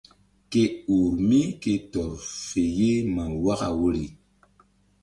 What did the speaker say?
Ke ur mí ke tɔr fe ye ma waka woyri.